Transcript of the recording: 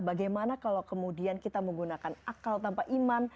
bagaimana kalau kemudian kita menggunakan akal tanpa iman